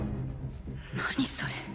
何それ。